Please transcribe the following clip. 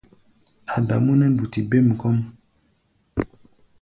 Adamú nɛ́ nduti bêm kɔ́ʼm.